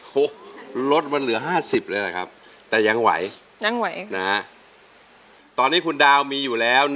ลดมันเหลือ๕๐เลยนะครับแต่ยังไหวยังไหวนะฮะตอนนี้คุณดาวมีอยู่แล้ว